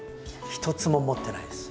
一つも持ってないです。